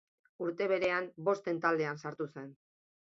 Urte berean Bosten Taldean sartu zen.